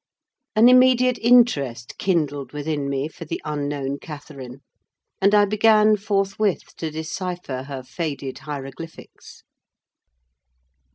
An immediate interest kindled within me for the unknown Catherine, and I began forthwith to decipher her faded hieroglyphics.